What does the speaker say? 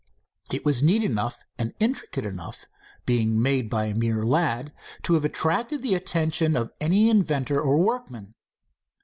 It was neat enough and intricate enough, being made by a mere lad, to have attracted the attention of any inventor or workman.